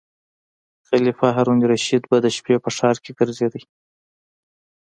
خلیفه هارون الرشید به د شپې په ښار کې ګرځیده.